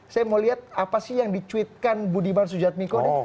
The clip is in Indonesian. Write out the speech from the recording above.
saya mau lihat apa sih yang dicuitkan budiman sujadmiko